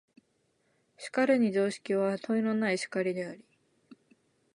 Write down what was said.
しかるに常識は問いのない然りであり、